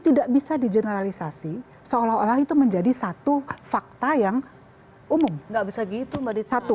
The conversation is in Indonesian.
tidak bisa di generalisasi seolah olah itu menjadi satu fakta yang umum nggak bisa gitu mbak di satu